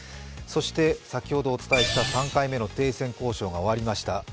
そして先ほどお伝えした３回目の停戦交渉が終わりました。